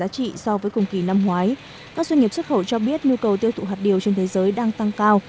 các doanh nghiệp xuất khẩu cho biết nhu cầu tiêu thụ hạt điều trên thế giới đang tăng cao